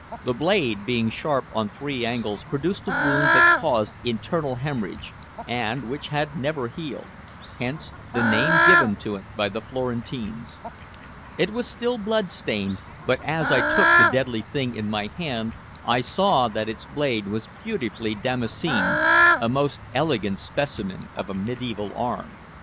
The blade being sharp on three angles produced a wound that caused internal hemorrhage and which never healed hence the name given to it by the Florentines. It was still blood stained, but as I took the deadly thing in my hand I saw that its blade was beautifully damascened, a most elegant specimen of a medieval arm.